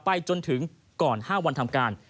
ไปจนถึงก่อน๕วันทำการ